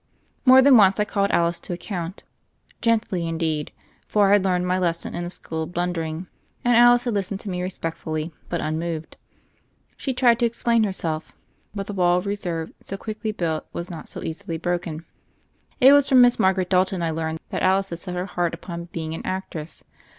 More than once I called Alice to account — gently, in deed ; for I had learned my lesson in the school of blundering; and Alice had listened to me re spectfully, but unmoved. She tried to explain herself; but the wall of reserve so quickly built was not so easily broken. It was from Miss Margaret Dalton I learned that Alice had set her heart upon being an ac tress.